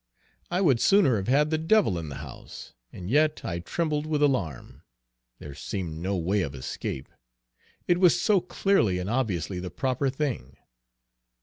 I would sooner have had the devil in the house, and yet I trembled with alarm, there seemed no way of escape, it was so clearly and obviously the proper thing.